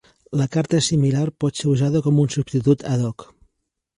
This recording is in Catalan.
La carta similar pot ser usada com un substitut ad hoc.